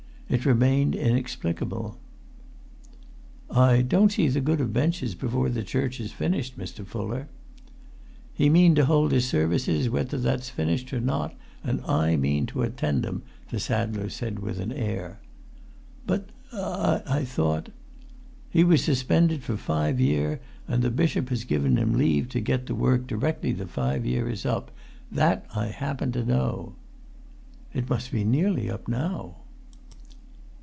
It remained inexplicable. "I don't see the good of benches before the church is finished, Mr. Fuller." "He mean to hold his services whether that's finished or not. And I mean to attend 'em," the saddler said with an air. "But—I thought——" "He was suspended for five year, and the bishop has given him leave to get to work directly the five year is up. That I happen to know." "It must be nearly up now!"